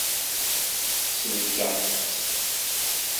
Sellkeɣ-tt.